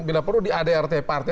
bila perlu di adrt partai